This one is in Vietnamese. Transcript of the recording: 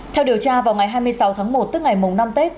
theo điều tra vào ngày hai mươi sáu tháng một tức ngày mùng năm tết